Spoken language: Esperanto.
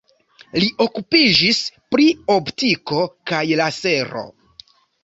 Li okupiĝis pri optiko kaj lasero.